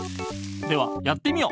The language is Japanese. ではやってみよ。